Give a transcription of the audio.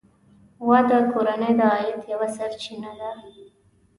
غوا د کورنۍ د عاید یوه سرچینه ده.